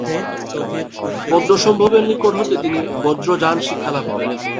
পদ্মসম্ভবের নিকট হতে তিনি বজ্রযান শিক্ষালাভ করেন।